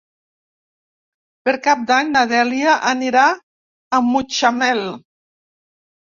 Per Cap d'Any na Dèlia anirà a Mutxamel.